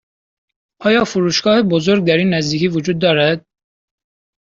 آیا فروشگاه بزرگ در این نزدیکی وجود دارد؟